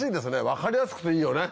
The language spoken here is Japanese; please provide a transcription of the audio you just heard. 分かりやすくていいよね。